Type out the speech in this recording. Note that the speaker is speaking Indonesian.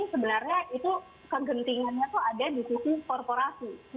sebenarnya itu kegentingannya itu ada di sisi korporasi